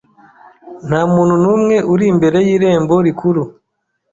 Nta muntu n'umwe uri imbere y'irembo rikuru.